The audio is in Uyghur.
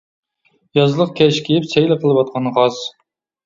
يازلىق كەش كىيىپ سەيلە قىلىۋاتقان غاز.